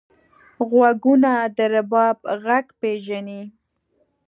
غوږونه د رباب غږ پېژني